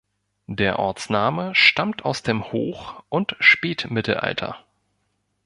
Der Ortsname stammt aus dem Hoch- und Spätmittelalter.